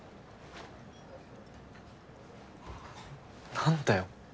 何だよ。